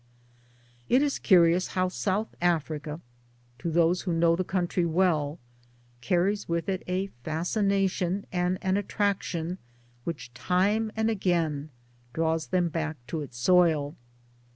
It is curious how South Africa, to those who know the country well, carries with it a fascination and an attraction which time and again draws them back to its soil.